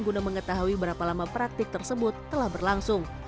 guna mengetahui berapa lama praktik tersebut telah berlangsung